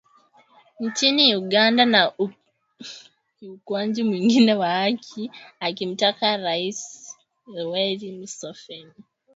nchini Uganda na ukiukwaji mwingine wa haki akimtaka Rais Yoweri Museveni